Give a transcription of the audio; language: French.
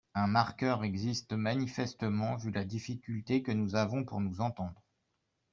Un marqueur existe manifestement, vu la difficulté que nous avons pour nous entendre.